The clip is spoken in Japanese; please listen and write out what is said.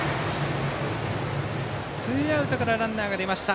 ツーアウトからランナーが出ました。